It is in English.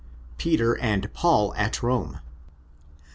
Peter and Paul at Rome.